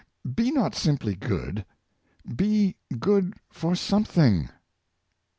''" Be not simply good — be good for something."